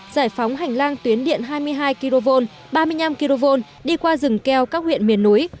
giải phóng hành lang tuyến điện hai mươi hai kv ba mươi năm kv đi qua rừng keo các huyện miền núi